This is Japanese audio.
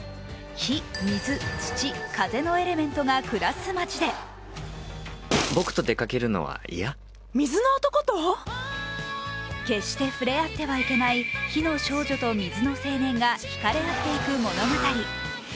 火・水・土・風のエレメントが暮らす街で決して触れ合ってはいけない火の少女と水の青年がひかれ合っていく物語。